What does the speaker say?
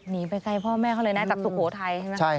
หนีไปไกลพ่อแม่เขาเลยนะจากสุโขทัยใช่ไหม